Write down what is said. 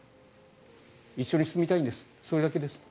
一緒に住みたいんですそれだけです。